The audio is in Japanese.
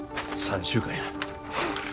３週間や。